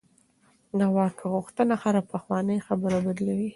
د واک غوښتنه هره پخوانۍ خبره بدلوي.